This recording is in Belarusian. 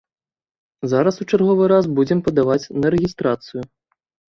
Зараз у чарговы раз будзем падаваць на рэгістрацыю.